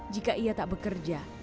jika ia tak bekerja